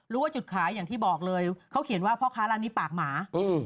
ว่าจุดขายอย่างที่บอกเลยเขาเขียนว่าพ่อค้าร้านนี้ปากหมา